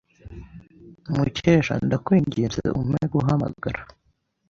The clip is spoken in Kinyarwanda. Mukesha, ndakwinginze umpe guhamagara.